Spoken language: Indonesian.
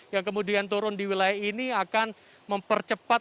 yang kemudian turun di wilayah ini akan mempercepat